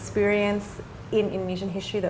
pengalaman di sejarah indonesia